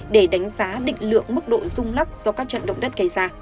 để đánh giá định lượng mức độ rung lắc do các trận động đất gây ra